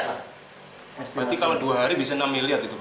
berarti kalau dua hari bisa enam miliar itu pak